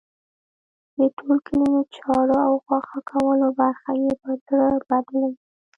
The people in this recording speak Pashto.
د ټول کلي د چاړه او غوښه کولو خبره یې پر زړه بد ولګېده.